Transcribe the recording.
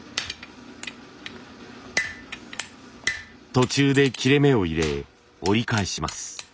途中で切れ目を入れ折り返します。